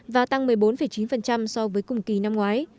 và tăng một mươi bốn chín so với cùng kỳ năm ngoái